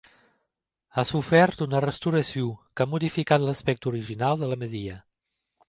Ha sofert una restauració que ha modificat l’aspecte original de la masia.